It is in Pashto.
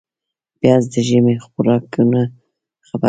پیاز د ژمي خوراکونو برخه ده